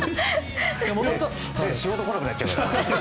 仕事来なくなっちゃうから。